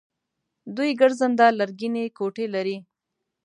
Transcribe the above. دوی ګرځنده لرګینې کوټې لري.